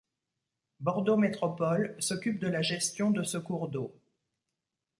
Bordeaux Métropole s'occupe de la gestion de ce cours d'eau.